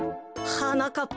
はなかっ